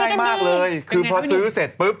ง่ายมากเลยคือพอซื้อเสร็จปุ๊บ